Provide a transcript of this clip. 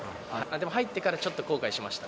でも入ってからちょっと後悔しました。